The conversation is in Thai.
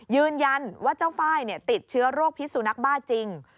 ยืนยันว่าเจ้าไฟล์ติดเชื้อโรคพิสุนักบ้าจริง